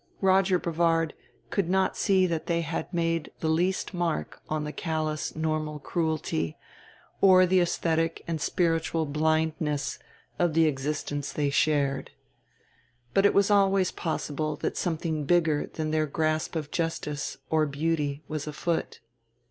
Roger Brevard could not see that they had made the least mark on the callous normal cruelty or the aesthetic and spiritual blindness of the existence they shared. But it was always possible that something bigger than their grasp of justice or beauty was afoot.